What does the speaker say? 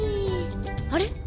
あれ？